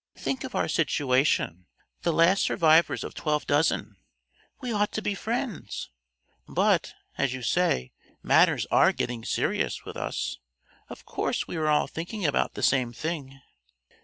"Think of our situation, the last survivors of twelve dozen! we ought to be friends. But, as you say, matters are getting serious with us. Of course we are all thinking about the same thing."